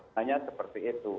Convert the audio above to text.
hanya seperti itu